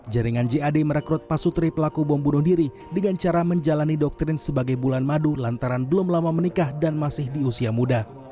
jaringan jad merekrut pasutri pelaku bom bunuh diri dengan cara menjalani doktrin sebagai bulan madu lantaran belum lama menikah dan masih di usia muda